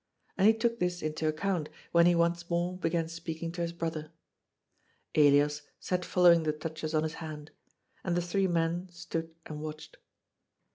" and he took this into account, when he once more began speaking to his brother. Elias sat following the touches on his hand. And the three men stood and watched.